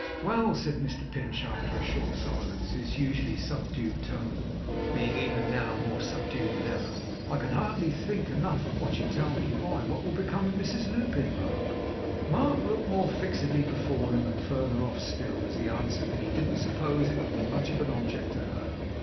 'Well!' said Mr Pinch, after a short silence, his usually subdued tone being even now more subdued than ever. 'I can hardly think enough of what you tell me. Why, what will become of Mrs Lupin, Mark?' Mark looked more fixedly before him, and further off still, as he answered that he didn't suppose it would be much of an object to her.